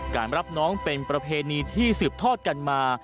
รับน้องเป็นประเพณีที่สืบทอดกันมา